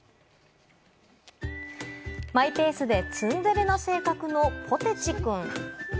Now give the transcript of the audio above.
マイペースでツンデレな性格のポテチくん。